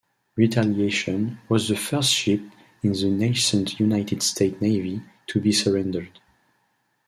"Retaliation" was the first ship in the nascent United States Navy to be surrendered.